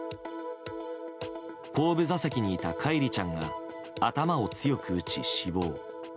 後部座席にいた叶一里ちゃんが頭を強く打ち死亡。